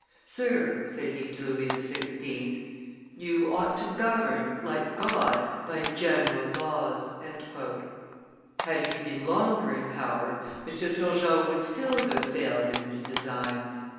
"Sir," said he to Louis XVI., "you ought to govern, like God, by general laws." Had he been longer in power, M. Turgot would still have failed in his designs.